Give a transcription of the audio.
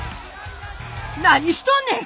何しとんねん！